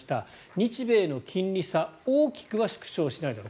日米の金利差大きくは縮小しないだろう。